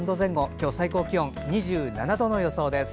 今日、最高気温２７度の予想です。